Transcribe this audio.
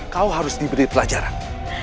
kau harus diberi pelajaran